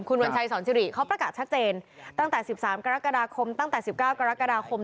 คุณวัญชัยสอนสิริเขาประกาศชัดเจนตั้งแต่๑๓กรกฎาคมตั้งแต่๑๙กรกฎาคม